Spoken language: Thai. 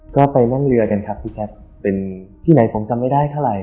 ก็ไปร่องเรือกันครับพี่แจ๊คเป็นที่ไหนผมจำไม่ได้เท่าไหร